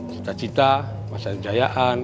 cita cita masa kejayaan